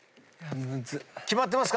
決まってますか？